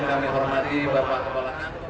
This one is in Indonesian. juga yang kami hormati bapak kepala kepala